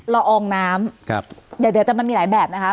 อองน้ำครับเดี๋ยวแต่มันมีหลายแบบนะคะ